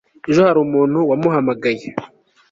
ejo hari umuntu wamuhamagaye